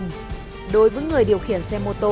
mình cũng không để ý đấy